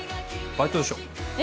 バイトでしょえ